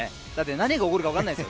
何が起こるか分からないです。